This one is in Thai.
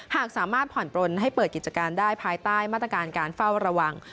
หากสามารถผ่อนปลนให้เปิดกิจการได้ภายใต้มาตรการการเฝ้าระวัง